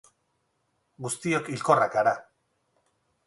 Guztiok hilkorrak gara.